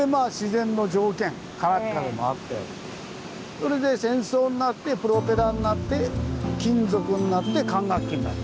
それで戦争になってプロペラになって金属になって管楽器になる。